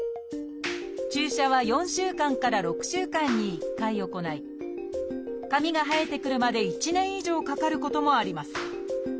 注射は４週間から６週間に１回行い髪が生えてくるまで１年以上かかることもあります。